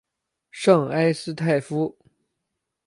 圣埃斯泰夫。